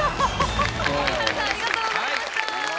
みはるさんありがとうございました